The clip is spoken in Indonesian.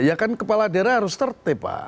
ya kan kepala daerah harus tertipa